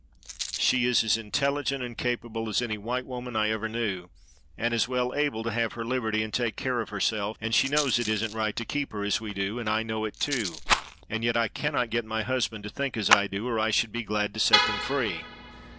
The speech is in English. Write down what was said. She is as intelligent and capable as any white woman I ever knew, and as well able to have her liberty and take care of herself; and she knows it isn't right to keep her as we do, and I know it too; and yet I cannot get my husband to think as I do, or I should be glad to set them free."